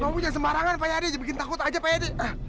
kamu punya sembarangan pak edi bikin takut saja pak edi